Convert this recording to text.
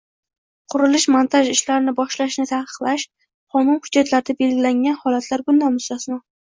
qurilish-montaj ishlarini boshlashni taqiqlash, qonun hujjatlarida belgilangan holatlar bundan mustasno.